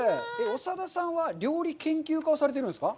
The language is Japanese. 長田さんは、料理研究家をされているんですか？